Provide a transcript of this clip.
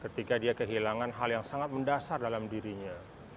ketika dia kehilangan hal yang sangat mendasar dalam dirinya